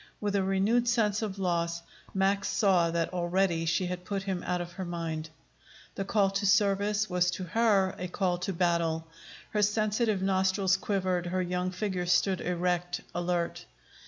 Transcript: With a renewed sense of loss, Max saw that already she had put him out of her mind. The call to service was to her a call to battle. Her sensitive nostrils quivered; her young figure stood erect, alert.